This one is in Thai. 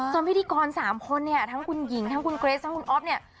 พิธีกร๓คนเนี่ยทั้งคุณหญิงทั้งคุณเกรสทั้งคุณอ๊อฟเนี่ย